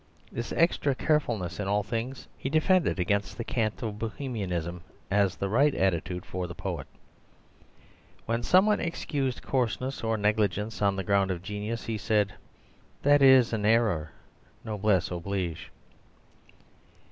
This extra carefulness in all things he defended against the cant of Bohemianism as the right attitude for the poet. When some one excused coarseness or negligence on the ground of genius, he said, "That is an error: Noblesse oblige."